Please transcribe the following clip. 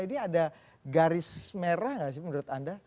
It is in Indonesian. ini ada garis merah nggak sih menurut anda